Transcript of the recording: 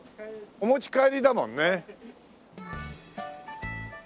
お持ち帰りだもんね。